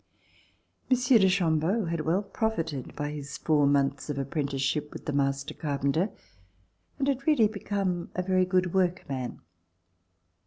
Monsieur de Chambeau had well profited by his four months of apprenticeship with the master carpenter and had really become a very good work man.